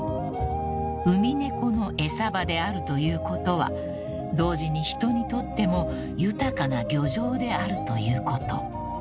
［ウミネコの餌場であるということは同時に人にとっても豊かな漁場であるということ］